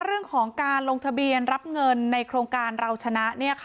เรื่องของการลงทะเบียนรับเงินในโครงการเราชนะ